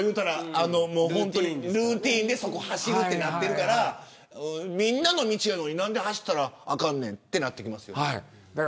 ルーティンでそこ走るとなっているからみんなの道なのになんで走ったらあかんねんとなってきますよね。